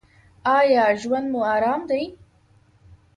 ایا ژوند مو ارام دی؟